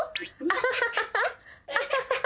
アハハハハハハ！